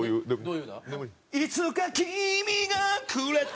「いつか君がくれた」